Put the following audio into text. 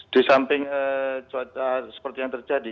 di samping seperti yang terjadi